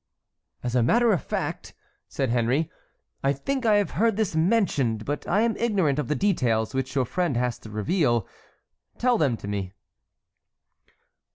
"As a matter of fact," said Henry, "I think I have heard this mentioned, but I am ignorant of the details which your friend has to reveal. Tell them to me."